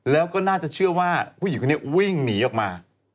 แล้วก็น่าจะเชื่อว่าผู้หญิงคนนี้วิ่งหนีออกมา